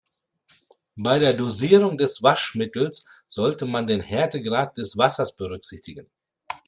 Bei der Dosierung des Waschmittels sollte man den Härtegrad des Wassers berücksichtigen.